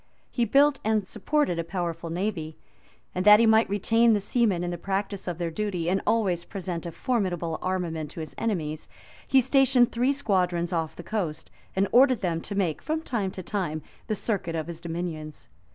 He built an supported a powerful navy;[*] and that he might retain the seamen in the practice of their duty, and always present a formidable armament to his enemies, he stationed three squadrons off the coast, and ordered them to make, from time to time, the circuit of his dominions.